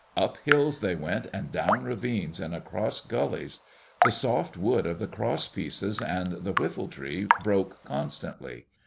Up hills they went and down ravines and across gullies. The soft wood of the cross pieces and the whiffletree broke constantly.